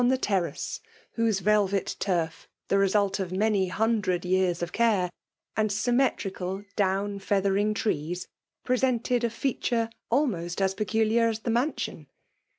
the terrace, whose velvet turl^ the losuli of fliMiy hundred years of caxe, and syminetrical down feathering trees, presented a featura almost as peculiar as the mansion.